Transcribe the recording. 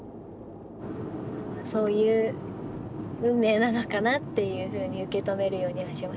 そういう運命なのかなっていうふうに受け止めるようにはしました。